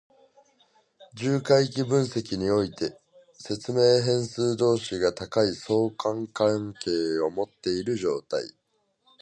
重回帰分析において、説明変数同士が高い相関関係を持っている状態。